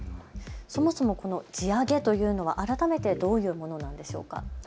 そもそもこの地上げというの改めてどういうものなんでしょうか。